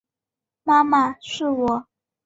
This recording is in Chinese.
妈妈，是我